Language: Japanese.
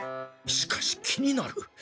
しかし気になる。